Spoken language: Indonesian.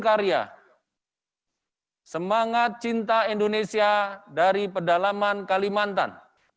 karya semangat cinta indonesia dari pedalaman kalimantan